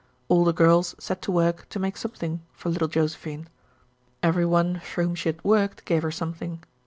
All the girls set to work to make something for little Josephine. Every one for whom she had worked gave her something.